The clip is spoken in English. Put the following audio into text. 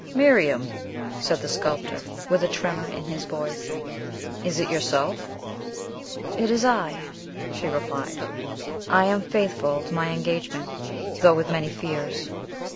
"Miriam," said the sculptor, with a tremor in his voice, "is it yourself?" "It is I," she replied; "I am faithful to my engagement, though with many fears."